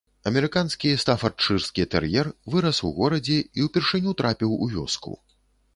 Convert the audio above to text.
Амерыканскі стафардшырскі тэр'ер вырас у горадзе і ўпершыню трапіў у вёску.